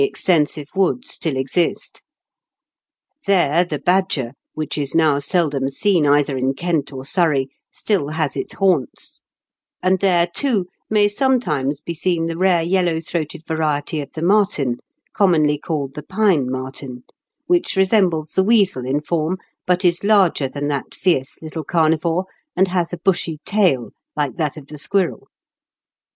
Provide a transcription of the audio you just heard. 156 extensive woods still exist There the badger, which is now seldom seen either in Kent or Surrey, still has its haunts ; and there, too, may sometimes be seen the rare yellow throated variety of the marten, conunonly called the pine marten, which resembles the weasel in form, but is larger than that fierce little carnivore, and has a bushy taU, like that of the squirrel.